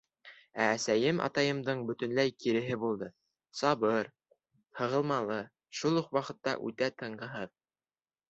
Ә әсәйем атайымдың бөтөнләй киреһе булды: сабыр, һығылмалы, шул уҡ ваҡытта үтә тынғыһыҙ.